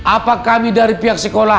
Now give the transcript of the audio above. apa kami dari pihak sekolah